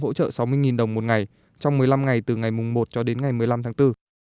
hỗ trợ sáu mươi đồng một ngày trong một mươi năm ngày từ ngày một cho đến ngày một mươi năm tháng bốn